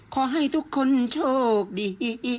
ขอให้ทุกคนโชคดี